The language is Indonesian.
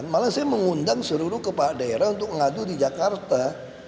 malah saya mengundang seluruh kepala daerah untuk mengadu di jakarta